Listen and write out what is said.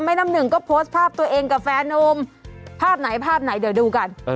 แม่น้ำหนึ่งก็โพสต์ภาพตัวเองกับแฟนโอมภาพไหนเดี๋ยวดูกัน